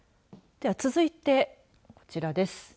では、続いてこちらです。